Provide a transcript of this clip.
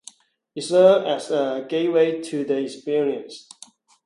It served as the gateway to "The Experience".